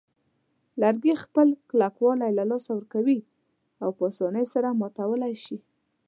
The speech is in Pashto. لرګي خپل کلکوالی له لاسه ورکوي او په آسانۍ سره ماتولای شي.